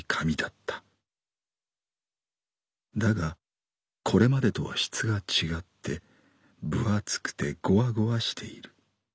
だがこれまでとは質が違って分厚くてごわごわしている。